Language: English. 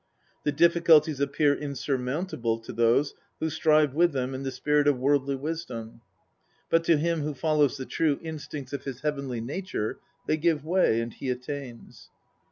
The difficulties appear insurmount able to those who strive with them in the spirit of worldly wisdom, but to him who follows the true instincts of his heavenly nature they give way, and he attains.